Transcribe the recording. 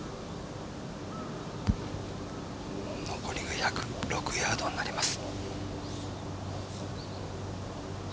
残りが１０６ヤードになります。